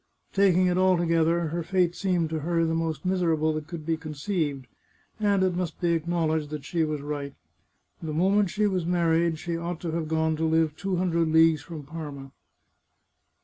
Taking it altogether, her fate seemed to her the most miser able that could be conceived, and it must be acknowledged that she was right. The moment she was married she ought to have gone to live two hundred leagues from Parma.